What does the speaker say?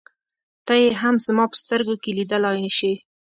ته يې هم زما په سترګو کې لیدلای شې.